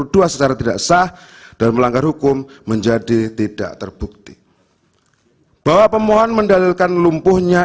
dua secara tidak sah dan melanggar hukum menjadi tidak terbukti bahwa pemohon mendalilkan lumpuhnya